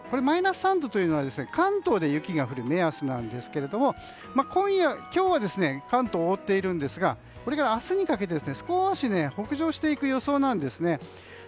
マイナス３度というのは関東で雪が降る目安なんですが今日は関東を覆っているんですがこれが明日にかけてすこし北上していく予想なんです。